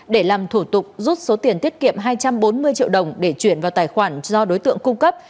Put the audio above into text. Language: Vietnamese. để làm thủ tục rút số tiền tiết kiệm hai trăm bốn mươi triệu đồng để chuyển vào tài khoản do đối tượng cung cấp